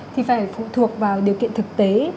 thì phải phụ thuộc vào điều kiện thực tế